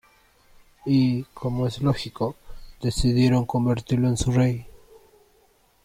Y, como es lógico, decidieron convertirlo en su rey.